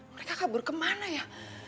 mereka kabur kemana ya